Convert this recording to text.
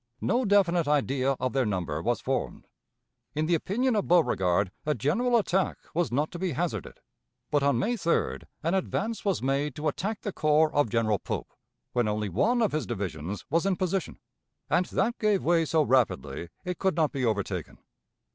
No definite idea of their number was formed. In the opinion of Beauregard, a general attack was not to be hazarded; but on May 3d an advance was made to attack the corps of General Pope, when only one of his divisions was in position, and that gave way so rapidly it could not be overtaken.